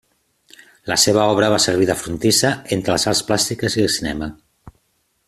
La seva obra va servir de frontissa entre les arts plàstiques i el cinema.